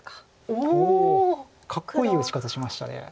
おおかっこいい打ち方しました。